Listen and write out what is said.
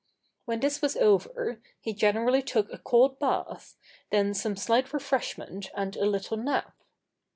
When this was over, he generally took a cold bath, then some slight refreshment and a little nap.